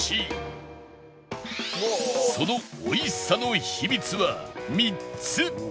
その美味しさの秘密は３つ！